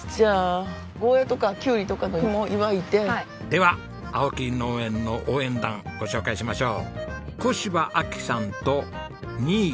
では青木農園の応援団ご紹介しましょう。